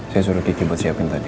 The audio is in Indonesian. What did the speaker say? saya suruh kiki buat siapin tadi